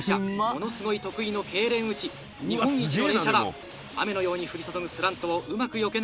ものすごい得意のけいれん打ち」「日本一の連射だ」「雨のように降り注ぐスラントをうまくよけながら爆撃」